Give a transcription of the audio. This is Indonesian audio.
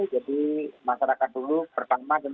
jadi masyarakat dulu pertama adalah